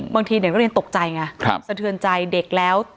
บางทีเด็กนักเรียนตกใจไงสะเทือนใจเด็กแล้ว